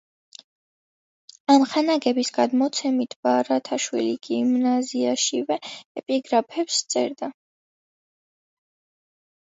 ამხანაგების გადმოცემით, “ბარათაშვილი გიმნაზიაშივე ეპიგრამებს სწერდა”.